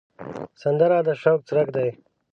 سندره د شوق څرک دی